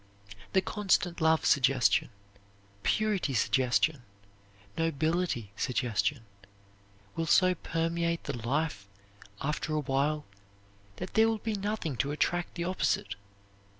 The constant love suggestion, purity suggestion, nobility suggestion will so permeate the life after a while that there will be nothing to attract the opposite.